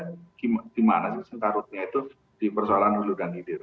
sebenarnya di mana sih tarutnya itu di persoalan dulu dan tidir